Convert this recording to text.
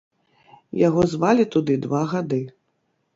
Яго звалі туды два гады.